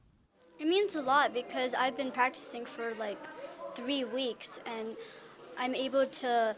saya bisa melakukan banyak gerakan yang benar